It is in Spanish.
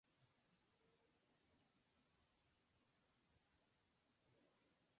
Esquerra Unida, que presentaba a Amadeu Sanchís, quedó fuera del consistorio.